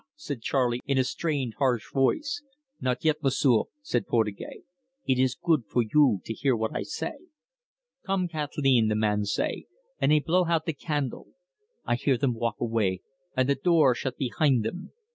said Charley, in a strained, harsh voice. "Not yet, M'sieu'," said Portugais. "It is good for you to hear what I say." "'Come, Kat'leen!' the man say, an' he blow hout the candle. I hear them walk away, an' the door shut behin' them.